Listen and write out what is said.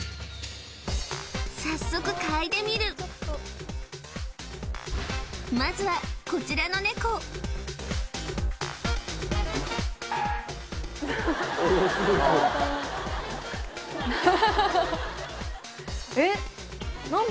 早速嗅いでみるまずはこちらのネコえっ何だ？